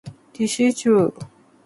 This is true.